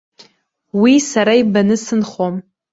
Уи сара ибаны сынхом.